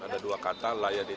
ada dua kata layak